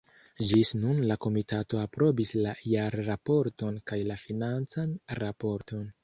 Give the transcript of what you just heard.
Ĝis nun la komitato aprobis la jarraporton kaj la financan raporton.